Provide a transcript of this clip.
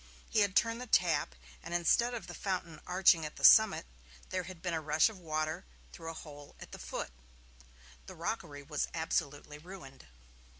He had turned the tap, and instead of the fountain arching at the summit, there had been a rush of water through a hole at the foot. The rockery was absolutely ruined.